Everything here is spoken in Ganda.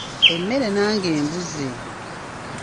Emmere nange embuze.